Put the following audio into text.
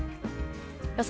予想